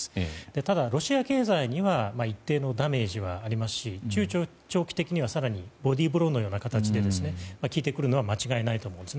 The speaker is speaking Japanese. ただ、ロシア経済には一定のダメージはありますし中長期的には、更にボディーブローのような形で効いてくるのは間違いないと思います。